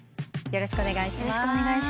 よろしくお願いします。